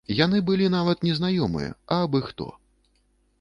Яны былі нават не знаёмыя, а абы-хто.